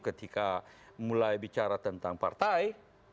ketika mulai bicara tentang partai